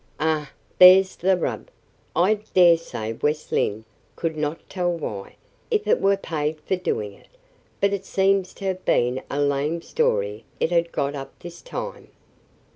"Ah, there's the rub. I dare say West Lynne could not tell why, if it were paid for doing it; but it seems to have been a lame story it had got up this time.